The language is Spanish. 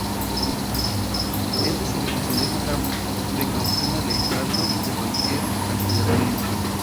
Este se lo concedió, con la precaución de alejarlo de cualquier actividad política.